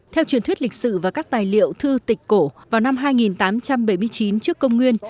theo truyền thuyết lịch sử và các tài liệu thư tịch cổ vào năm hai nghìn tám trăm bảy mươi chín trước công nguyên